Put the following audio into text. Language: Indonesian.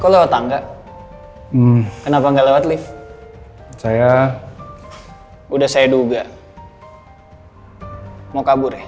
masak praku curna